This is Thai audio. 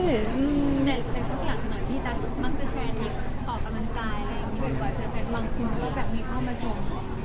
เป็นบรรคาเฟสบางคลุมก็มีเข้ามาชม